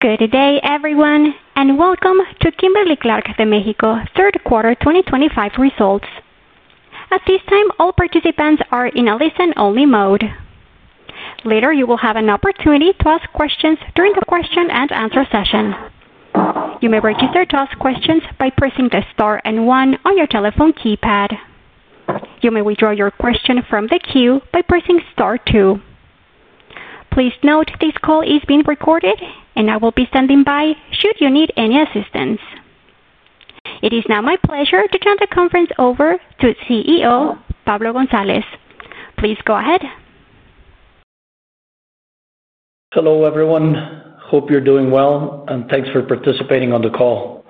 Good day, everyone, and welcome to Kimberly-Clark de México Third Quarter 2025 Results. At this time, all participants are in a listen-only mode. Later, you will have an opportunity to ask questions during the question and answer session. You may register to ask questions by pressing the star and one on your telephone keypad. You may withdraw your question from the queue by pressing star two. Please note this call is being recorded, and I will be standing by should you need any assistance. It is now my pleasure to turn the conference over to CEO Pablo González. Please go ahead. Hello, everyone. Hope you're doing well, and thanks for participating on the call.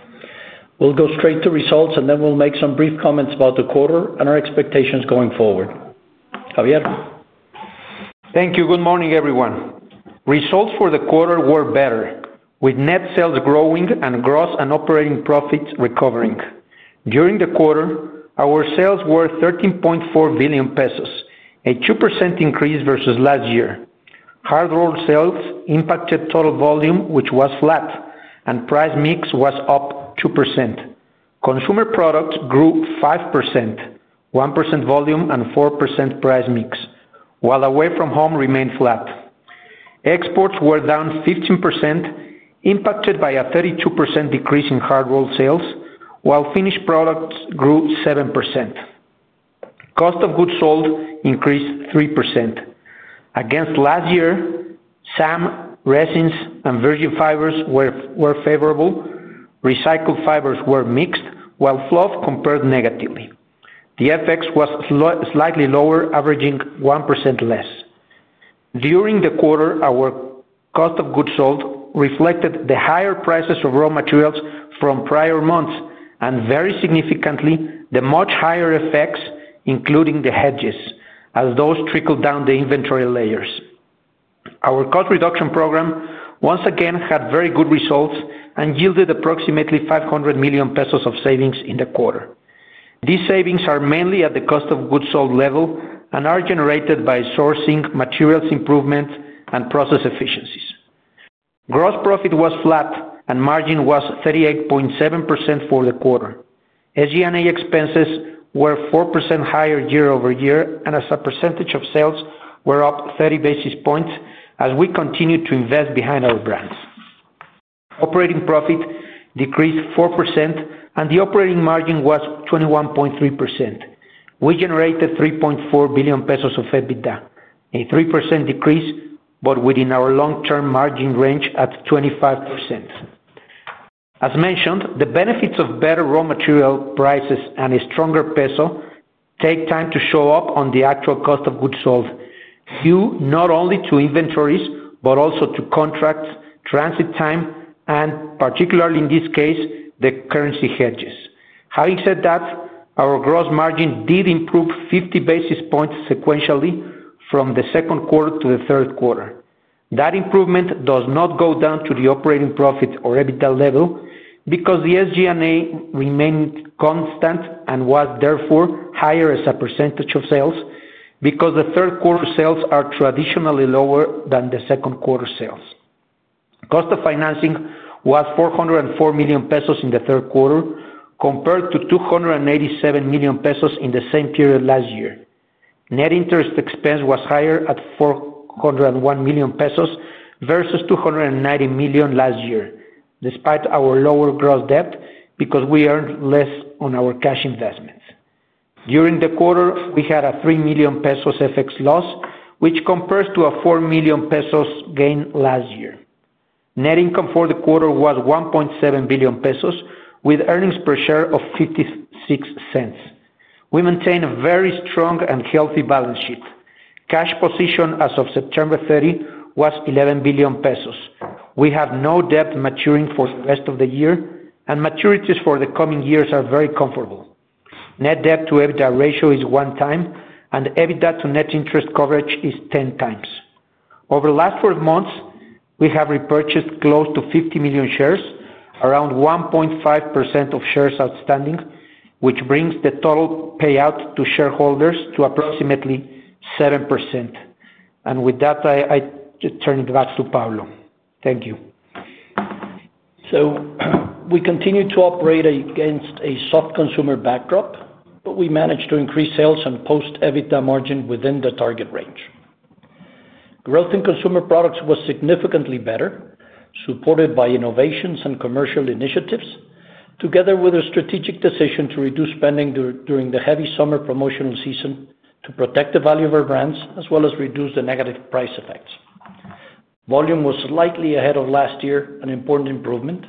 We'll go straight to results, and then we'll make some brief comments about the quarter and our expectations going forward. Javier? Thank you. Good morning, everyone. Results for the quarter were better, with net sales growing and gross and operating profits recovering. During the quarter, our sales were $13.4 billion pesos, a 2% increase versus last year. Hard-rolled sales impacted total volume, which was flat, and price mix was up 2%. Consumer products grew 5%, 1% volume and 4% price mix, while away from home remained flat. Export sales were down 15%, impacted by a 32% decrease in hard-rolled sales, while finished product exports grew 7%. Cost of goods sold increased 3%. Against last year, SAM, resins, and virgin fibers were favorable. Recycled fibers were mixed, while fluff compared negatively. The FX was slightly lower, averaging 1% less. During the quarter, our cost of goods sold reflected the higher prices of raw materials from prior months and, very significantly, the much higher FX, including the hedges, as those trickled down the inventory layers. Our cost reduction program, once again, had very good results and yielded approximately $500 million pesos of savings in the quarter. These savings are mainly at the cost of goods sold level and are generated by sourcing, materials improvement, and process efficiencies. Gross profit was flat, and margin was 38.7% for the quarter. SG&A expenses were 4% higher year over year, and as a percentage of sales, were up 30 basis points as we continued to invest behind our brands. Operating profit decreased 4%, and the operating margin was 21.3%. We generated $3.4 billion pesos of EBITDA, a 3% decrease, but within our long-term margin range at 25%. As mentioned, the benefits of better raw material prices and a stronger peso take time to show up on the actual cost of goods sold, due not only to inventories, but also to contracts, transit time, and, particularly in this case, the currency hedges. Having said that, our gross profit margin did improve 50 basis points sequentially from the second quarter to the third quarter. That improvement does not go down to the operating profit or EBITDA level because the SG&A remained constant and was, therefore, higher as a percentage of sales because the third quarter sales are traditionally lower than the second quarter sales. Cost of financing was $404 million pesos in the third quarter compared to $287 million pesos in the same period last year. Net interest expense was higher at $401 million pesos versus $290 million last year, despite our lower gross debt because we earned less on our cash investments. During the quarter, we had a $3 million FX loss, which compares to a $4 million gain last year. Net income for the quarter was $1.7 billion, with earnings per share of $0.56. We maintain a very strong and healthy balance sheet. Cash position as of September 30 was $11 billion. We have no debt maturing for the rest of the year, and maturities for the coming years are very comfortable. Net debt to EBITDA ratio is 1 time, and EBITDA to net interest coverage is 10 times. Over the last four months, we have repurchased close to 50 million shares, around 1.5% of shares outstanding, which brings the total payout to shareholders to approximately 7%. I turn it back to Pablo. Thank you. We continue to operate against a soft consumer backdrop, but we managed to increase sales and post EBITDA margin within the target range. Growth in consumer products was significantly better, supported by innovations and commercial initiatives, together with a strategic decision to reduce spending during the heavy summer promotional season to protect the value of our brands, as well as reduce the negative price effects. Volume was slightly ahead of last year, an important improvement,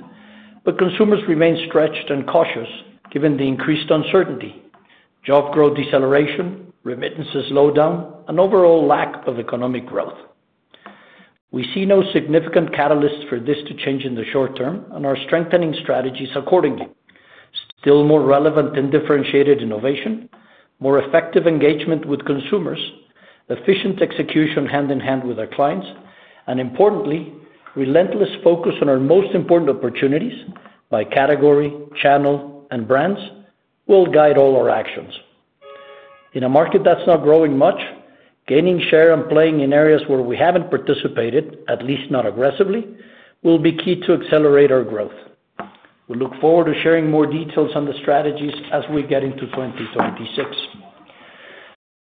but consumers remain stretched and cautious given the increased uncertainty: job growth deceleration, remittances slowdown, and overall lack of economic growth. We see no significant catalysts for this to change in the short term and are strengthening strategies accordingly. Still, more relevant and differentiated innovation, more effective engagement with consumers, efficient execution hand in hand with our clients, and importantly, relentless focus on our most important opportunities by category, channel, and brands will guide all our actions. In a market that's not growing much, gaining share and playing in areas where we haven't participated, at least not aggressively, will be key to accelerate our growth. We look forward to sharing more details on the strategies as we get into 2026.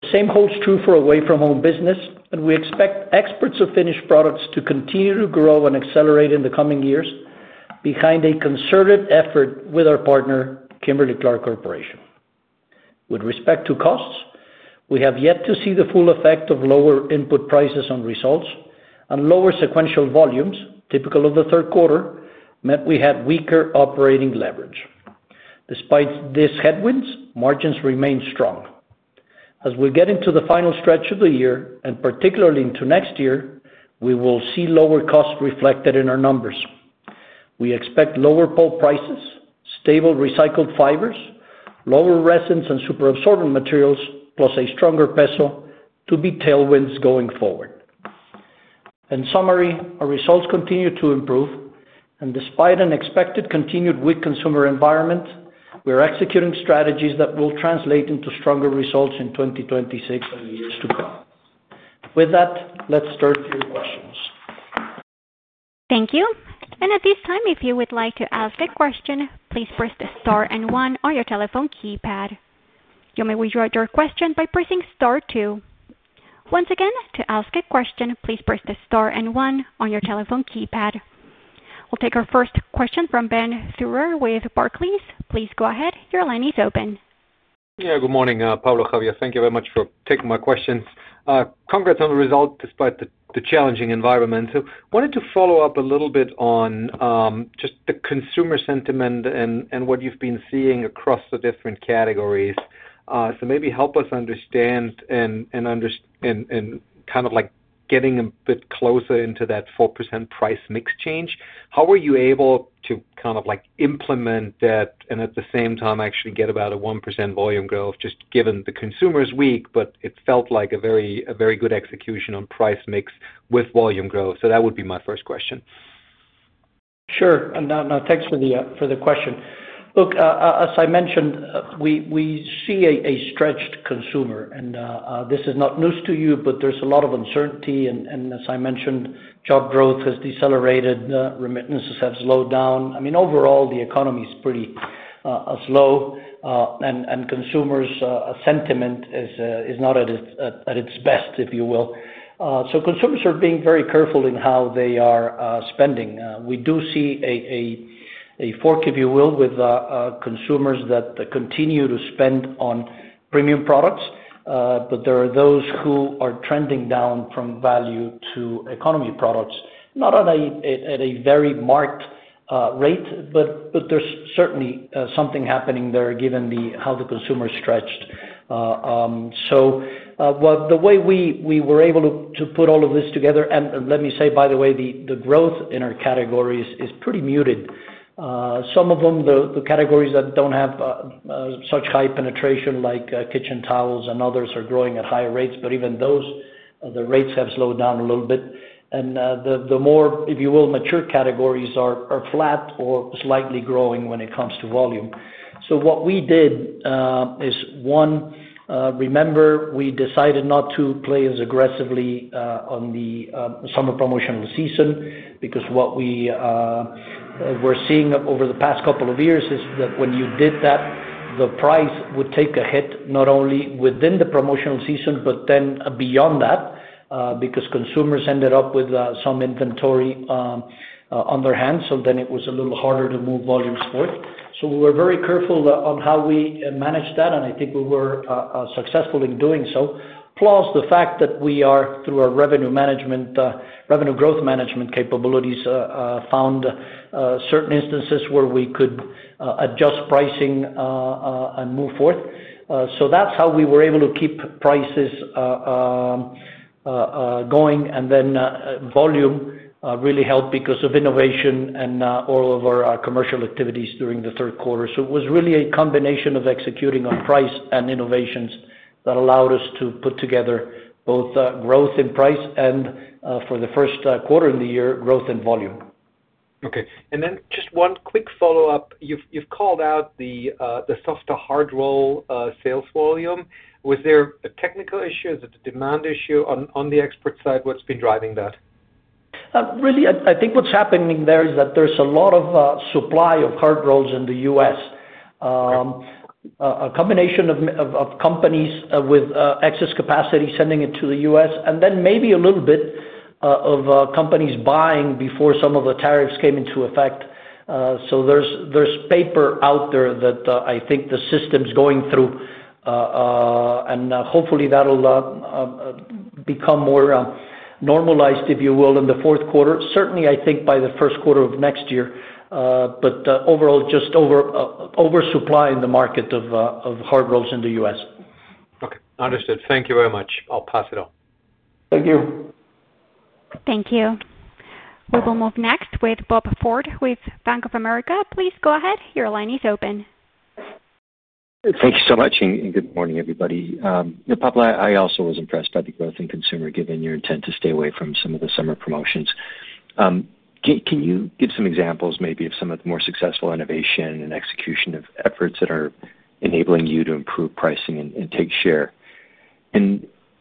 The same holds true for away from home business, and we expect exports of finished products to continue to grow and accelerate in the coming years behind a concerted effort with our partner, Kimberly-Clark Corporation. With respect to costs, we have yet to see the full effect of lower input prices on results and lower sequential volumes typical of the third quarter meant we had weaker operating leverage. Despite these headwinds, margins remain strong. As we get into the final stretch of the year, and particularly into next year, we will see lower costs reflected in our numbers. We expect lower pulp prices, stable recycled fibers, lower resins and superabsorbent materials, plus a stronger peso to be tailwinds going forward. In summary, our results continue to improve, and despite an expected continued weak consumer environment, we are executing strategies that will translate into stronger results in 2026 and the years to come. With that, let's turn to your questions. Thank you. At this time, if you would like to ask a question, please press the star and one on your telephone keypad. You may withdraw your question by pressing star two. Once again, to ask a question, please press the star and one on your telephone keypad. We'll take our first question from Ben Theurer with Barclays. Please go ahead. Your line is open. Good morning, Pablo, Javier. Thank you very much for taking my questions. Congrats on the result despite the challenging environment. I wanted to follow up a little bit on just the consumer sentiment and what you've been seeing across the different categories. Maybe help us understand and kind of like getting a bit closer into that 4% price mix change. How were you able to kind of like implement that and at the same time actually get about a 1% volume growth, just given the consumer's weak, but it felt like a very good execution on price mix with volume growth? That would be my first question. Sure. Thanks for the question. Look, as I mentioned, we see a stretched consumer. This is not news to you, but there's a lot of uncertainty. As I mentioned, job growth has decelerated. Remittances have slowed down. Overall, the economy is pretty slow, and consumers' sentiment is not at its best, if you will. Consumers are being very careful in how they are spending. We do see a fork, if you will, with consumers that continue to spend on premium products, but there are those who are trending down from value to economy products, not at a very marked rate, but there's certainly something happening there given how the consumer is stretched. The way we were able to put all of this together, and let me say, by the way, the growth in our categories is pretty muted. Some of them, the categories that don't have such high penetration like kitchen towels and others, are growing at higher rates, but even those, the rates have slowed down a little bit. The more, if you will, mature categories are flat or slightly growing when it comes to volume. What we did is, one, remember we decided not to play as aggressively on the summer promotional season because what we were seeing over the past couple of years is that when you did that, the price would take a hit not only within the promotional season, but then beyond that because consumers ended up with some inventory on their hands. It was a little harder to move volumes forth. We were very careful on how we managed that, and I think we were successful in doing so. Plus, the fact that we are, through our revenue growth management capabilities, found certain instances where we could adjust pricing and move forth. That's how we were able to keep prices going. Volume really helped because of innovation and all of our commercial activities during the third quarter. It was really a combination of executing on price and innovations that allowed us to put together both growth in price and, for the first quarter in the year, growth in volume. Okay. Just one quick follow-up. You've called out the softer hard-roll sales volume. Was there a technical issue? Is it a demand issue on the export side? What's been driving that? Really, I think what's happening there is that there's a lot of supply of hard rolls in the U.S., a combination of companies with excess capacity sending it to the U.S., and then maybe a little bit of companies buying before some of the tariffs came into effect. There's paper out there that I think the system's going through, and hopefully, that'll become more normalized, if you will, in the fourth quarter. I think by the first quarter of next year. Overall, just oversupply in the market of hard rolls in the U.S. Okay. Understood. Thank you very much. I'll pass it on. Thank you. Thank you. We will move next with Bob Ford with Bank of America. Please go ahead. Your line is open. Thank you so much. Good morning, everybody. Pablo, I also was impressed by the growth in consumer given your intent to stay away from some of the summer promotions. Can you give some examples maybe of some of the more successful innovation and execution of efforts that are enabling you to improve pricing and take share?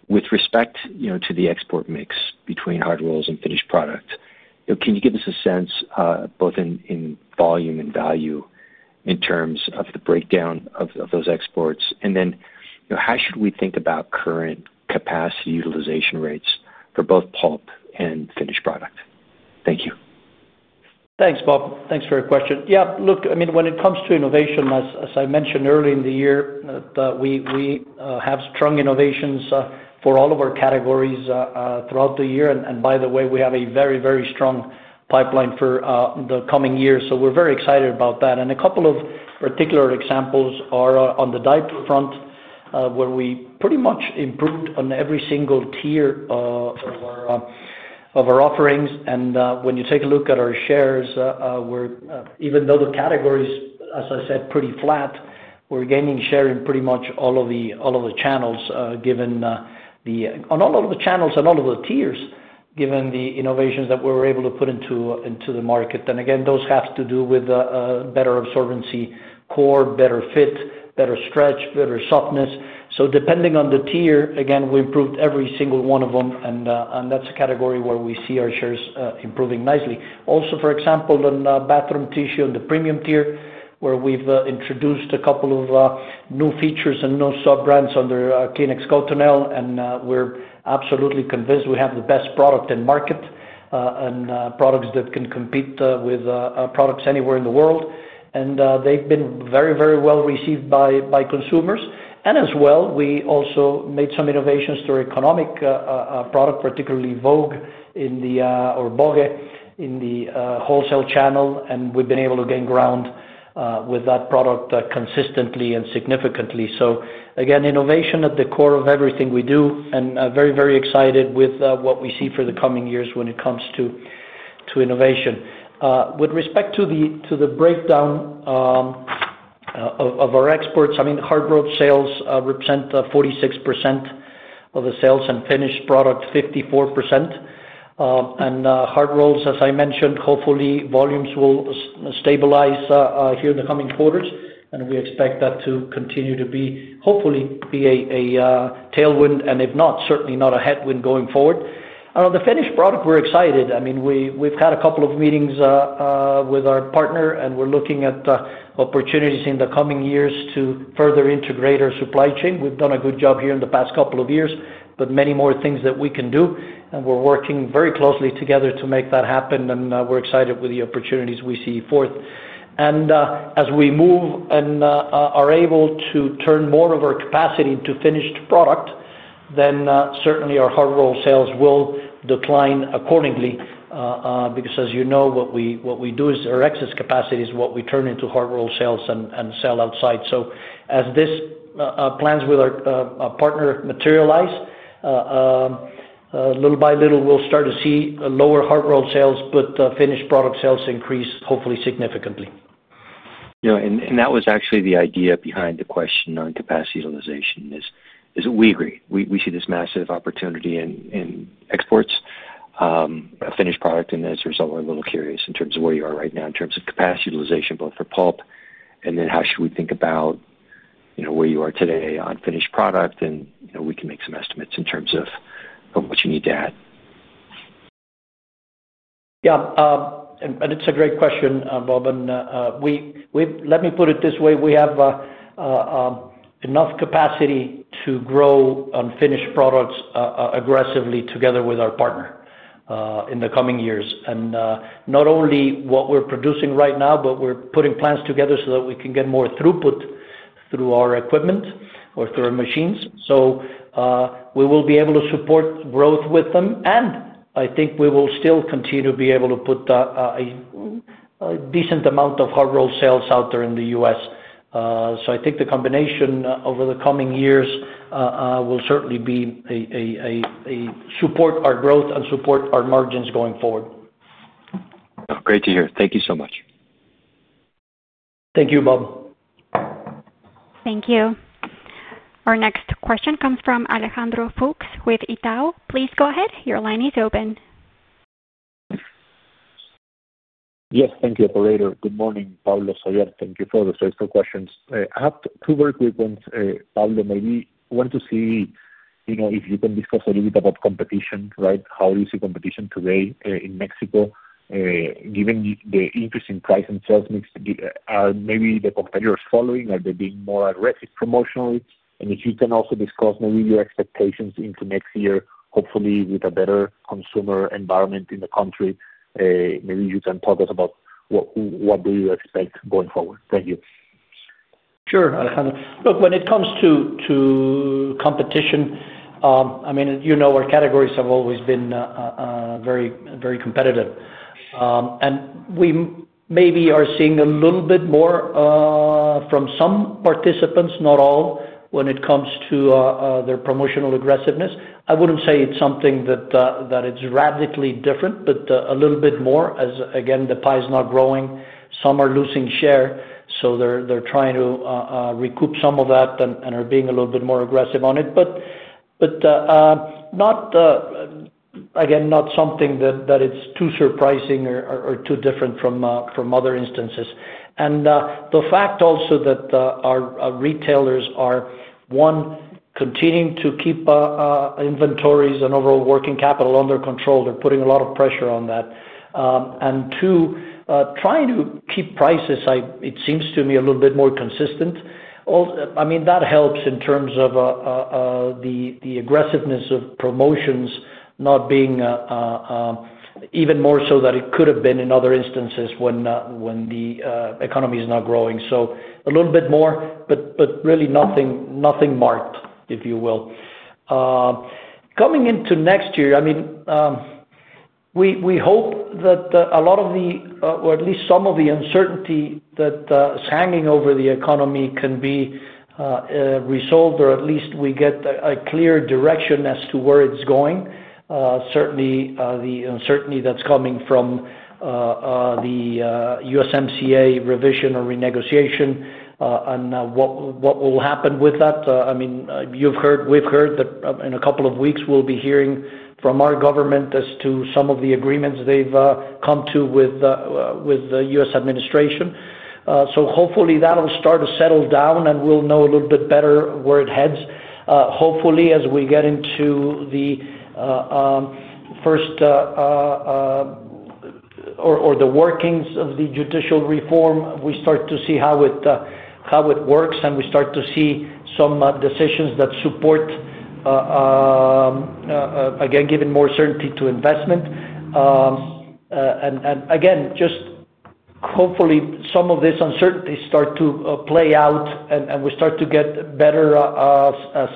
With respect to the export mix between hard rolls and finished product, can you give us a sense both in volume and value in terms of the breakdown of those exports? How should we think about current capacity utilization rates for both pulp and finished product? Thank you. Thanks, Bob. Thanks for your question. Yeah. Look, I mean, when it comes to innovation, as I mentioned earlier in the year, we have strong innovations for all of our categories throughout the year. By the way, we have a very, very strong pipeline for the coming year. We're very excited about that. A couple of particular examples are on the diaper front where we pretty much improved on every single tier of our offerings. When you take a look at our shares, even though the category's, as I said, pretty flat, we're gaining share in pretty much all of the channels and all of the tiers given the innovations that we were able to put into the market. Those have to do with better absorbency core, better fit, better stretch, better softness. Depending on the tier, again, we improved every single one of them. That's a category where we see our shares improving nicely. Also, for example, in bathroom tissue in the premium tier where we've introduced a couple of new features and new sub-brands under Kleenex Cottonelle. We're absolutely convinced we have the best product in market and products that can compete with products anywhere in the world. They've been very, very well received by consumers. We also made some innovations to our economic product, particularly Vogue in the wholesale channel. We've been able to gain ground with that product consistently and significantly. Innovation is at the core of everything we do and we're very, very excited with what we see for the coming years when it comes to innovation. With respect to the breakdown of our exports, hard-roll sales represent 46% of the sales and finished product 54%. Hard rolls, as I mentioned, hopefully, volumes will stabilize here in the coming quarters. We expect that to continue to be, hopefully, a tailwind and, if not, certainly not a headwind going forward. On the finished product, we're excited. We've had a couple of meetings with our partner, and we're looking at opportunities in the coming years to further integrate our supply chain. We've done a good job here in the past couple of years, but there are many more things that we can do. We're working very closely together to make that happen. We're excited with the opportunities we see forth. As we move and are able to turn more of our capacity into finished product, then certainly our hard-roll sales will decline accordingly because, as you know, what we do is our excess capacity is what we turn into hard-roll sales and sell outside. As these plans with our partner materialize, little by little, we'll start to see lower hard-roll sales, but finished product sales increase, hopefully, significantly. Yeah, that was actually the idea behind the question on capacity utilization. We agree. We see this massive opportunity in exports of finished product. As a result, we're a little curious in terms of where you are right now in terms of capacity utilization both for pulp and then how should we think about where you are today on finished product. We can make some estimates in terms of what you need to add. Yeah. It's a great question, Bob. Let me put it this way. We have enough capacity to grow on finished products aggressively together with our partner in the coming years. Not only what we're producing right now, but we're putting plans together so that we can get more throughput through our equipment or through our machines. We will be able to support growth with them. I think we will still continue to be able to put a decent amount of hard-roll sales out there in the U.S. I think the combination over the coming years will certainly support our growth and support our margins going forward. That's great to hear. Thank you so much. Thank you, Bob. Thank you. Our next question comes from Alejandro Fuchs with Itaú. Please go ahead. Your line is open. Yes. Thank you, operator. Good morning, Pablo, Javier. Thank you for the first two questions. I have two very quick ones. Pablo, maybe I want to see if you can discuss a little bit about competition, right? How do you see competition today in Mexico, given the increasing price and sales mix? Are maybe the competitors following? Are they being more aggressive promotionally? If you can also discuss maybe your expectations into next year, hopefully, with a better consumer environment in the country, maybe you can talk to us about what you expect going forward. Thank you. Sure, Alejandro. Look, when it comes to competition, I mean, you know our categories have always been very, very competitive. We maybe are seeing a little bit more from some participants, not all, when it comes to their promotional aggressiveness. I wouldn't say it's something that is radically different, but a little bit more as, again, the pie is not growing. Some are losing share. They're trying to recoup some of that and are being a little bit more aggressive on it. Not, again, not something that is too surprising or too different from other instances. The fact also that our retailers are, one, continuing to keep inventories and overall working capital under control. They're putting a lot of pressure on that, and, two, trying to keep prices, it seems to me, a little bit more consistent. All that helps in terms of the aggressiveness of promotions not being even more so than it could have been in other instances when the economy is not growing. A little bit more, but really nothing marked, if you will. Coming into next year, we hope that a lot of the, or at least some of the uncertainty that is hanging over the economy can be resolved, or at least we get a clear direction as to where it's going. Certainly, the uncertainty that's coming from the USMCA revision or renegotiation and what will happen with that. I mean, you've heard, we've heard that in a couple of weeks, we'll be hearing from our government as to some of the agreements they've come to with the U.S. administration. Hopefully, that'll start to settle down, and we'll know a little bit better where it heads. Hopefully, as we get into the first or the workings of the judicial reform, we start to see how it works, and we start to see some decisions that support, again, giving more certainty to investment. Hopefully, some of this uncertainty starts to play out, and we start to get a better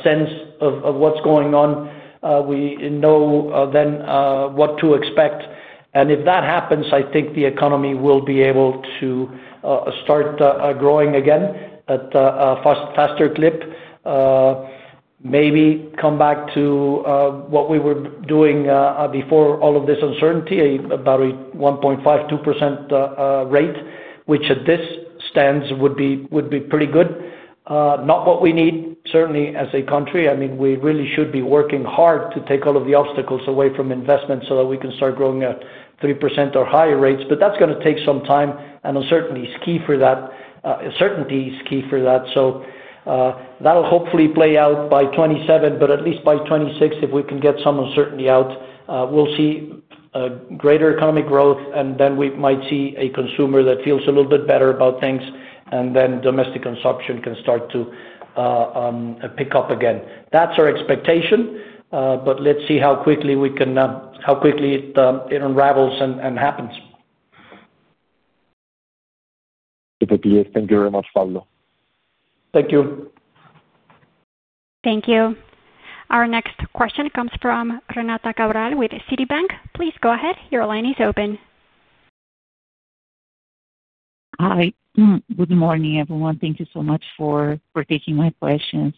sense of what's going on. We know then what to expect. If that happens, I think the economy will be able to start growing again at a faster clip, maybe come back to what we were doing before all of this uncertainty, about a 1.5%, 2% rate, which as it stands would be pretty good. Not what we need, certainly, as a country. We really should be working hard to take all of the obstacles away from investments so that we can start growing at 3% or higher rates. That's going to take some time, and certainty is key for that. That'll hopefully play out by 2027, but at least by 2026, if we can get some uncertainty out, we'll see greater economic growth, and then we might see a consumer that feels a little bit better about things, and then domestic consumption can start to pick up again. That's our expectation, but let's see how quickly it unravels and happens. Yes, thank you very much, Pablo. Thank you. Thank you. Our next question comes from Renata Cabral with Citibank. Please go ahead. Your line is open. Hi. Good morning, everyone. Thank you so much for taking my questions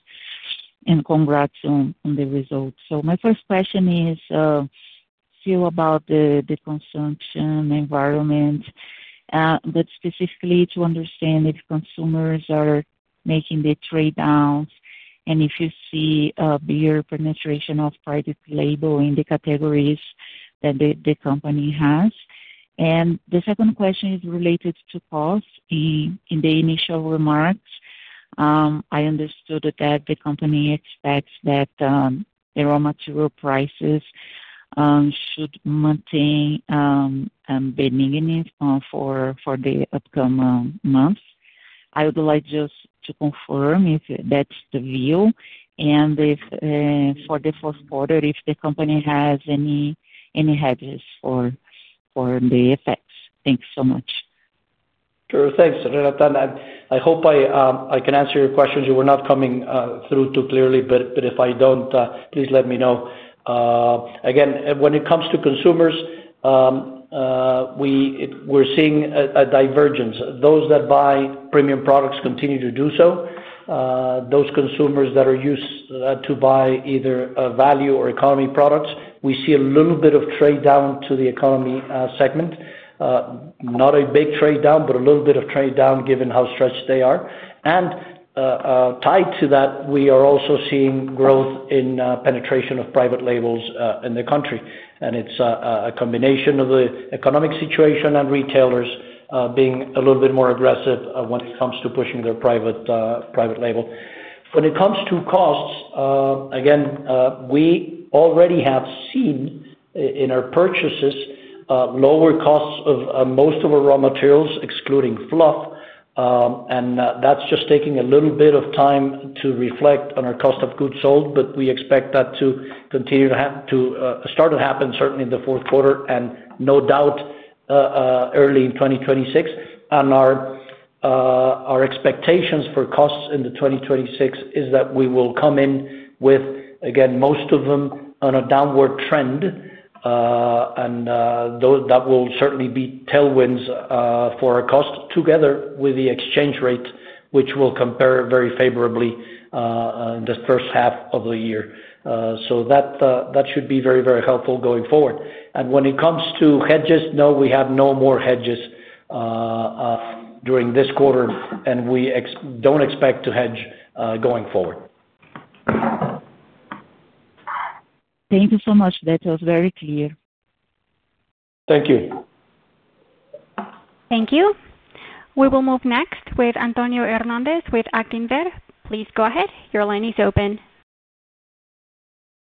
and congrats on the results. My first question is still about the consumer environment, specifically to understand if consumers are making the trade-offs and if you see a bigger penetration of private label in the categories that the company has. The second question is related to cost. In the initial remarks, I understood that the company expects that the raw material prices should maintain a big negative for the upcoming months. I would like just to confirm if that's the view. For the fourth quarter, if the company has any hedges for the effects. Thank you so much. Sure. Thanks, Renata. I hope I can answer your questions. You were not coming through too clearly, but if I don't, please let me know. When it comes to consumers, we're seeing a divergence. Those that buy premium products continue to do so. Those consumers that are used to buy either value or economy products, we see a little bit of trade down to the economy segment. Not a big trade down, but a little bit of trade down given how stretched they are. Tied to that, we are also seeing growth in penetration of private label in the country. It's a combination of the economic situation and retailers being a little bit more aggressive when it comes to pushing their private label. When it comes to costs, we already have seen in our purchases lower costs of most of our raw materials, excluding fluff. That's just taking a little bit of time to reflect on our cost of goods sold, but we expect that to continue to start to happen certainly in the fourth quarter and no doubt early in 2026. Our expectations for costs in 2026 is that we will come in with, again, most of them on a downward trend. That will certainly be tailwinds for our costs together with the exchange rate, which will compare very favorably in the first half of the year. That should be very, very helpful going forward. When it comes to hedges, no, we have no more hedges during this quarter, and we don't expect to hedge going forward. Thank you so much. That was very clear. Thank you. Thank you. We will move next with Antonio Hernandez with Akinver. Please go ahead. Your line is open.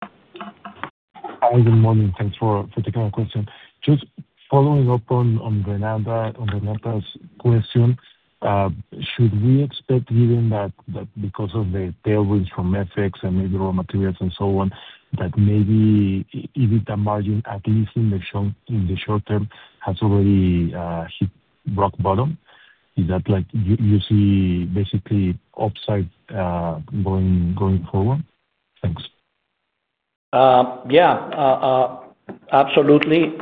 Hi. Good morning. Thanks for taking our question. Just following up on Renata's question, should we expect, given that because of the tailwinds from FX and maybe raw materials and so on, that maybe even the margin, at least in the short term, has already hit rock bottom? Is that like you see basically upside going forward? Thanks. Absolutely.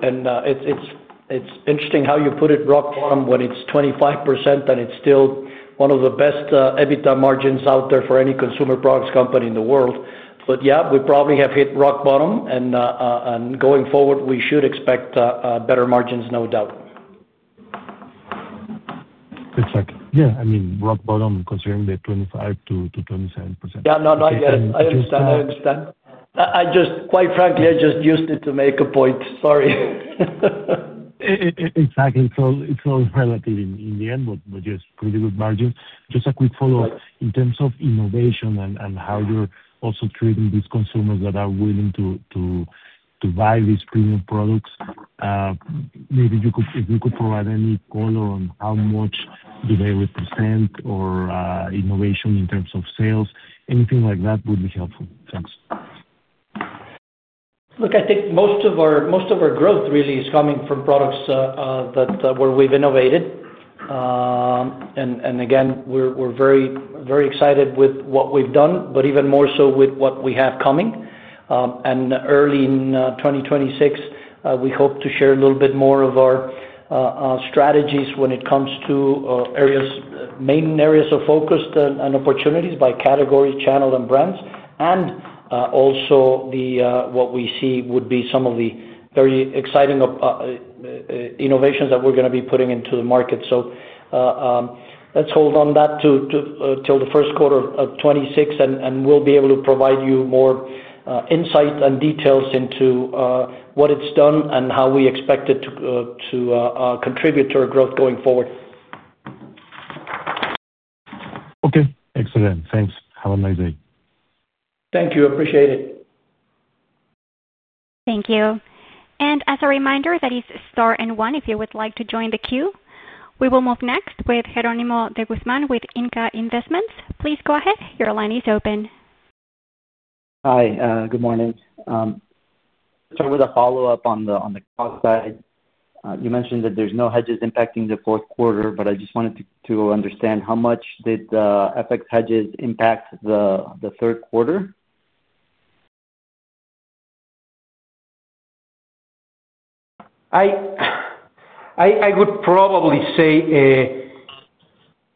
It's interesting how you put it, rock bottom, when it's 25%, and it's still one of the best EBITDA margins out there for any consumer products company in the world. We probably have hit rock bottom. Going forward, we should expect better margins, no doubt. Exactly. Yeah, I mean, rock bottom considering the 25% to 27%. Yeah, I understand. I just used it to make a point. Sorry. Exactly. It's all relative in the end, but yes, pretty good margin. Just a quick follow-up. In terms of innovation and how you're also treating these consumers that are willing to buy these premium products, maybe you could, if you could provide any color on how much do they represent or innovation in terms of sales, anything like that would be helpful. Thanks. I think most of our growth really is coming from products where we've innovated. We're very, very excited with what we've done, but even more so with what we have coming. Early in 2026, we hope to share a little bit more of our strategies when it comes to main areas of focus and opportunities by category, channel, and brands, and also what we see would be some of the very exciting innovations that we're going to be putting into the market. Let's hold on that till the first quarter of 2026, and we'll be able to provide you more insight and details into what it's done and how we expect it to contribute to our growth going forward. Okay. Excellent. Thanks. Have a nice day. Thank you. Appreciate it. Thank you. As a reminder, that is star and one if you would like to join the queue. We will move next with Jeronimo de Guzman with INCA Investments. Please go ahead. Your line is open. Hi. Good morning. I'll start with a follow-up on the cost side. You mentioned that there's no hedges impacting the fourth quarter, but I just wanted to understand how much did the FX hedges impact the third quarter? I would probably say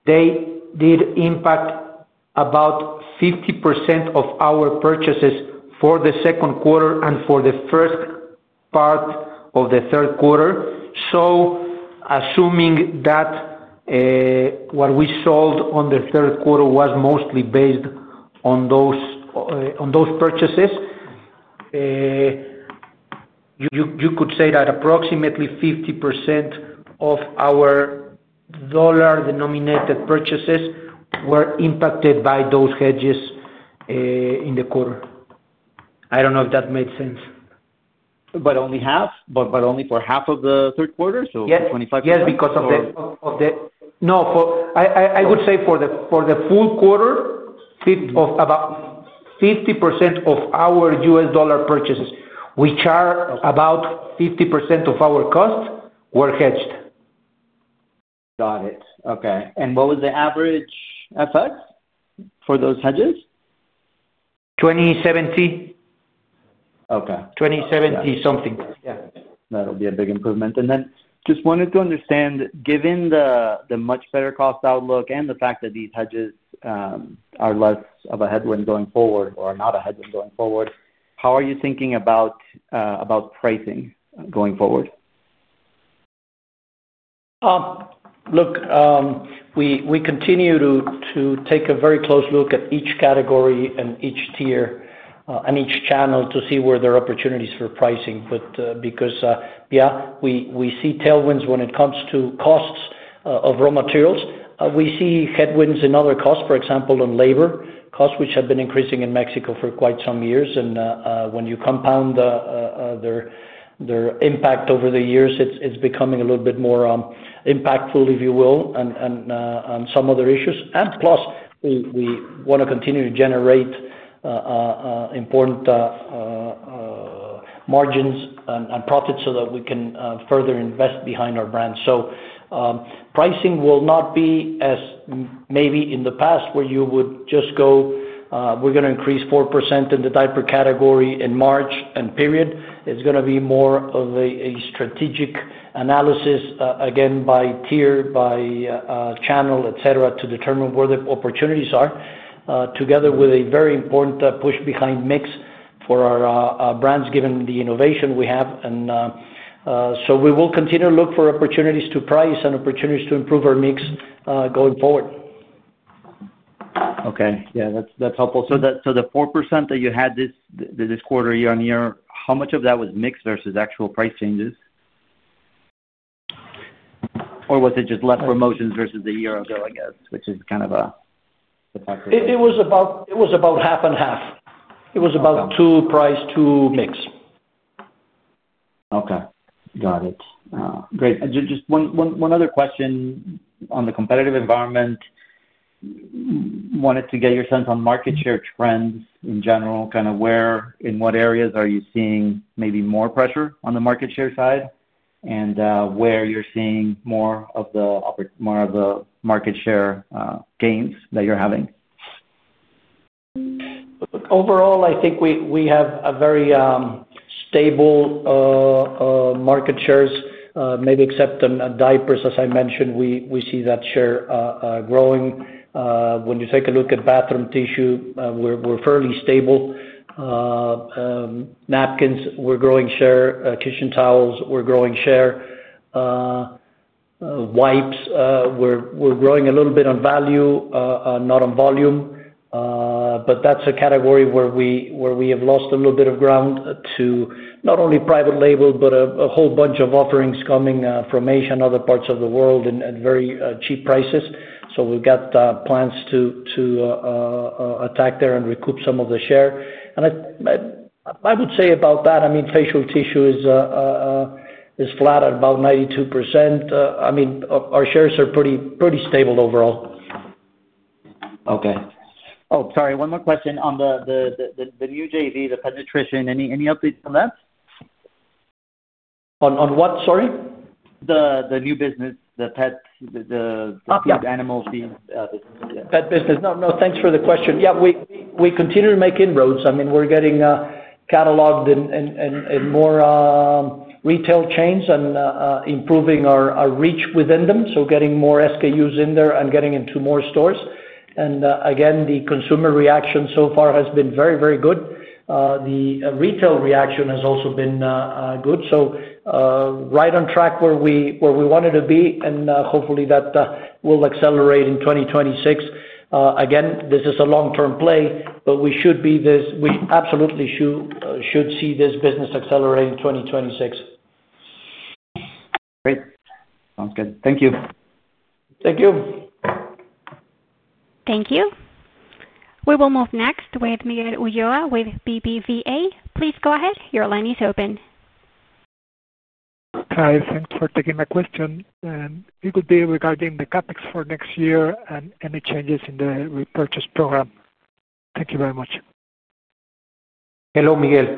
they did impact about 50% of our purchases for the second quarter and for the first part of the third quarter. Assuming that what we sold in the third quarter was mostly based on those purchases, you could say that approximately 50% of our dollar-denominated purchases were impacted by those hedges in the quarter. I don't know if that made sense. Only for half of the third quarter? So 25% of the? Yes, because for the full quarter, about 50% of our U.S. dollar purchases, which are about 50% of our costs, were hedged. Got it. Okay. What was the average FX for those hedges? 2070. Okay. 2070 something. That'll be a big improvement. I just wanted to understand, given the much better cost outlook and the fact that these hedges are less of a headwind going forward or are not a headwind going forward, how are you thinking about pricing going forward? Look, we continue to take a very close look at each category and each tier and each channel to see where there are opportunities for pricing. Because, yeah, we see tailwinds when it comes to costs of raw materials, we see headwinds in other costs, for example, in labor costs, which have been increasing in Mexico for quite some years. When you compound their impact over the years, it's becoming a little bit more impactful, if you will, and some other issues. Plus, we want to continue to generate important margins and profits so that we can further invest behind our brands. Pricing will not be as maybe in the past where you would just go, "We're going to increase 4% in the diaper category in March and period." It's going to be more of a strategic analysis, again, by tier, by channel, etc., to determine where the opportunities are, together with a very important push behind mix for our brands given the innovation we have. We will continue to look for opportunities to price and opportunities to improve our mix going forward. Okay. Yeah, that's helpful. The 4% that you had this quarter year on year, how much of that was mix versus actual price changes? Was it just less promotions versus the year ago, which is kind of a factor? It was about half and half. It was about two price, two mix. Okay. Got it. Great. Just one other question on the competitive environment. Wanted to get your sense on market share trends in general, kind of where in what areas are you seeing maybe more pressure on the market share side and where you're seeing more of the market share gains that you're having? Overall, I think we have very stable market shares, maybe except in diapers, as I mentioned, we see that share growing. When you take a look at bathroom tissue, we're fairly stable. Napkins, we're growing share. Kitchen towels, we're growing share. Wipes, we're growing a little bit on value, not on volume. That is a category where we have lost a little bit of ground to not only private label, but a whole bunch of offerings coming from Asia and other parts of the world at very cheap prices. We have plans to attack there and recoup some of the share. I would say about that, I mean, facial tissue is flat at about 92%. Our shares are pretty stable overall. Okay. Sorry. One more question on the new JV, the pet nutrition. Any updates on that? On what? Sorry. The new business, the pet food, the animals. Oh, yeah. Yeah. Pet business. No, no, thanks for the question. We continue to make inroads. We're getting cataloged in more retail chains and improving our reach within them, getting more SKUs in there and getting into more stores. The consumer reaction so far has been very, very good. The retail reaction has also been good. Right on track where we wanted to be, and hopefully, that will accelerate in 2026. This is a long-term play, but we absolutely should see this business accelerate in 2026. Great. Sounds good. Thank you. Thank you. Thank you. We will move next with Miguel Ulloa with BBVA. Please go ahead. Your line is open. Hi. Thanks for taking my question. It would be regarding the capital expenditures for next year and any changes in the repurchase program. Thank you very much. Hello, Miguel.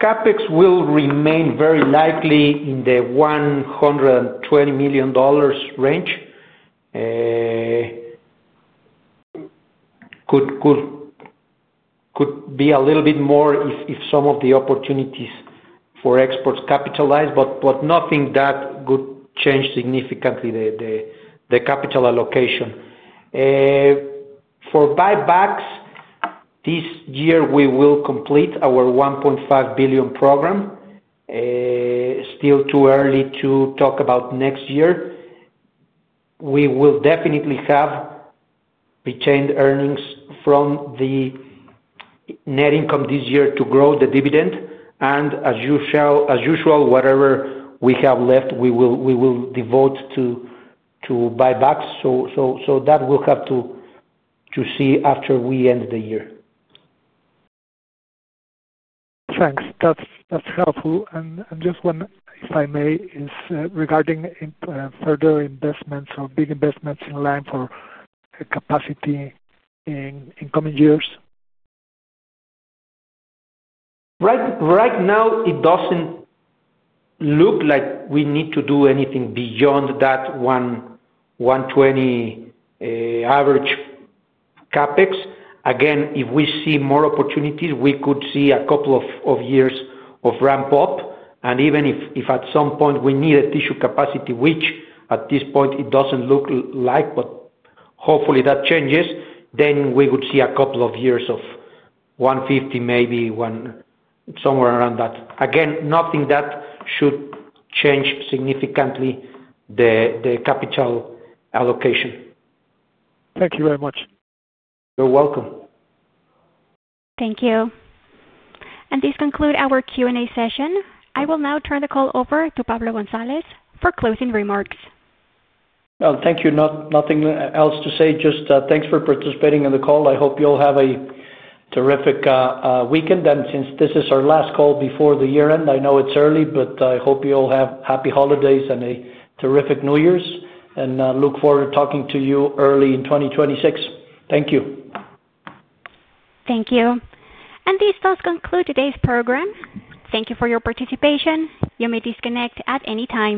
CapEx will remain very likely in the $120 million range. Could be a little bit more if some of the opportunities for exports capitalize, but nothing that would change significantly the capital allocation. For buybacks, this year, we will complete our $1.5 billion program. Still too early to talk about next year. We will definitely have retained earnings from the net income this year to grow the dividend. As usual, whatever we have left, we will devote to buybacks. We will have to see after we end the year. Thanks. That's helpful. Just one, if I may, is regarding further investments or big investments in line for capacity in coming years. Right now, it doesn't look like we need to do anything beyond that $120 million average capital expenditures. If we see more opportunities, we could see a couple of years of ramp-up. Even if at some point we need a tissue capacity, which at this point it doesn't look like, but hopefully that changes, we would see a couple of years of $150 million, maybe somewhere around that. Nothing that should change significantly the capital allocation. Thank you very much. You're welcome. Thank you. This concludes our Q&A session. I will now turn the call over to Pablo González for closing remarks. Thank you. Nothing else to say. Just thanks for participating in the call. I hope you all have a terrific weekend. Since this is our last call before the year-end, I know it's early, but I hope you all have happy holidays and a terrific New Year's. I look forward to talking to you early in 2026. Thank you. Thank you. This does conclude today's program. Thank you for your participation. You may disconnect at any time.